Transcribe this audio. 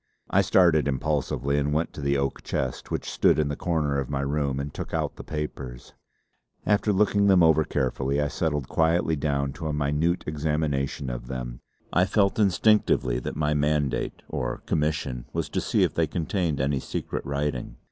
I started impulsively and went to the oak chest which stood in the corner of my room and took out the papers. After looking over them carefully I settled quietly down to a minute examination of them. I felt instinctively that my mandate or commission was to see if they contained any secret writing.